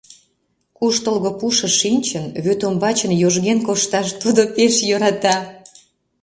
Куштылго пушыш шинчын, вӱд ӱмбачын йожген кошташ тудо пеш йӧрата.